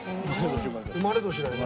生まれ年だよね。